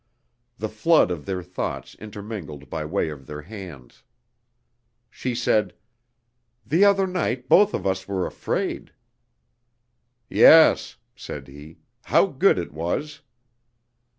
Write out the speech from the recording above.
The flood of their thoughts intermingled by way of their hands. She said: "The other night both of us were afraid." "Yes," said he, "how good it was."